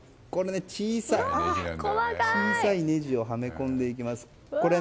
小さいねじをはめ込んでいきます。